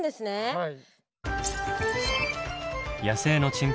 はい。